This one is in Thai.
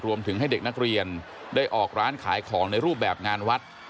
รวมถึงให้เด็กนักเรียนได้ออกร้านขายของในรูปแบบงานวัด